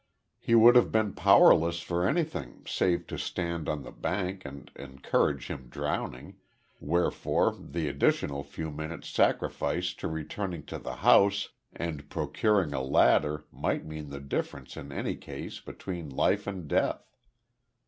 He would have been powerless for anything save to stand on the bank and encourage him drowning, wherefore the additional few minutes sacrificed to returning to the house and procuring a ladder might mean the difference in any case between life and death.